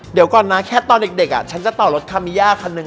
เดี๋ยวก่อนนะแค่ตอนเด็กฉันจะต่อรถคามีย่าคันหนึ่ง